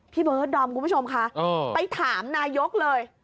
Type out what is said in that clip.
เบิร์ดดอมคุณผู้ชมค่ะไปถามนายกเลย